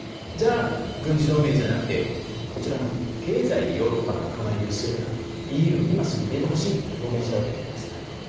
じゃあ、軍事同盟じゃなくてこちらの経済でヨーロッパの仲間入りをするんだと、ＥＵに今すぐ入れてほしいと表明したわけなんです。